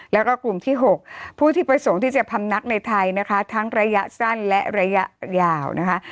แล้วก็กลุ่มที่๖ผู้ที่ประสงค์ที่จะพำนักในไทยนะคะทั้งระยะสั้นและระยะยาวนะคะ